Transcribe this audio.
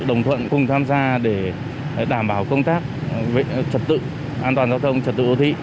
cùng tham gia để đảm bảo công tác trật tự an toàn giao thông trật tự đô thị